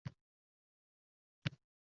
o‘z yurtida yashab kelayotgan ko‘pchilik